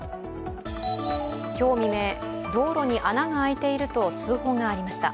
今日未明、道路に穴が開いていると通報がありました。